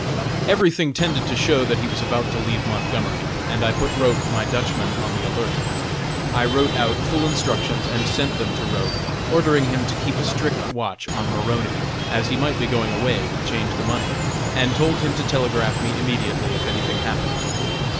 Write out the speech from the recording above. Everything tended to show that he was about to leave Montgomery, and I put Roch, my Dutchman, on the alert. I wrote out full instructions and sent them to Roch; ordered him to keep a strict watch on Maroney, as he might be going away to change the money, and told him to telegraph me immediately if anything happened.